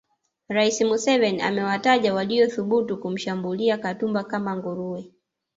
Rais Museveni amewataja waliothubutu kumshambulia Katumba kama nguruwe